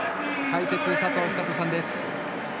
解説、佐藤寿人さんです。